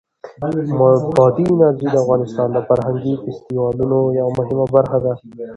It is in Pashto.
بادي انرژي د افغانستان د فرهنګي فستیوالونو یوه مهمه برخه ده.